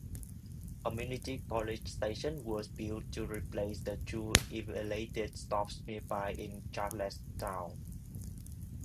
Community College station was built to replace the two elevated stops nearby in Charlestown.